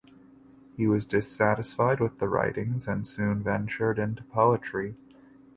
He was dissatisfied with the writings and soon ventured into poetry.